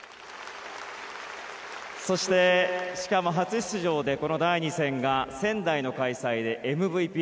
そして、しかも初出場でこの第２戦が仙台の開催でＭＶＰ。